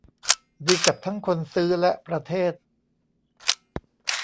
ดีกับทั้งคนซื้อและประเทศ